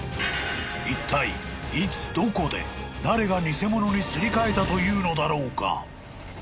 ［いったいいつどこで誰が偽物にすり替えたというのだろうか］